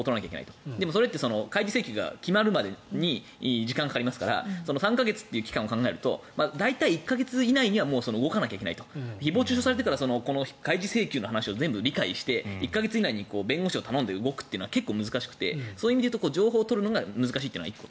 だけどそれ開示請求が決まるまでに時間がかかりますから３か月という期間を考えると大体１か月以内にはもう動かなきゃいけないと誹謗・中傷されてから開示請求の話を全部理解して１か月以内に弁護士を頼んで動くというのは結構難しくてそういう意味で言うと情報を取るのが難しいのが１個。